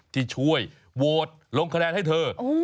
ที่ช่วยโหวตลงคะแนนให้เธอ